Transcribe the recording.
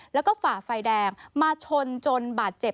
แล้วก็ฝ่าไฟแดงมาชนจนบาดเจ็บ